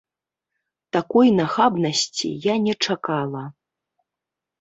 Такой нахабнасці я не чакала.